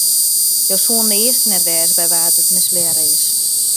Jo soene de earste net wêze by wa't it mislearre is.